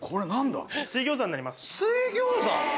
水餃子？